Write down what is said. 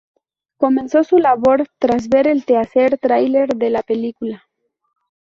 Comenzó su labor tras ver el teaser tráiler de la película.